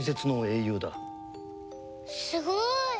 すごーい！